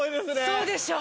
そうでしょ？